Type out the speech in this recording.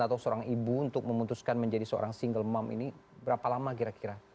atau seorang ibu untuk memutuskan menjadi seorang single mom ini berapa lama kira kira